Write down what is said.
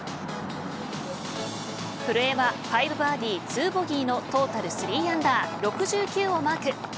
古江は、５バーディー２ボギーのトータル３アンダー６９をマーク。